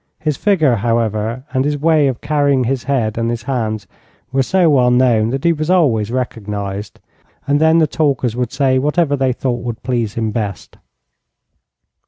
His figure, however, and his way of carrying his head and his hands were so well known that he was always recognized, and then the talkers would say whatever they thought would please him best.